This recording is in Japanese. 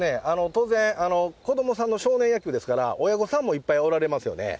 当然、子どもさんの少年野球ですから、親御さんもいっぱいおられますよね。